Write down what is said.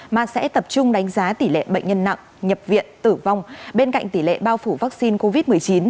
mà sẽ tập trung đánh giá tỷ lệ bệnh nhân nặng nhập viện tử vong bên cạnh tỷ lệ bao phủ vaccine covid một mươi chín